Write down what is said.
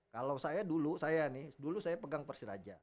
kalau saya dulu saya nih dulu saya pegang persiraja